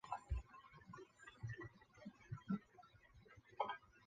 此外印度国大党普遍地对于政治上的竞争者表现出敌意。